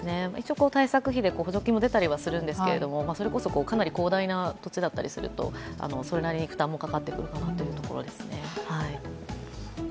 対策費で補助金も出たりはするんですけどそれこそかなり広大な土地だったりするとそれなりに負担もかかってくるところですね。